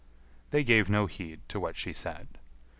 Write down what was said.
They gave no heed to what she said.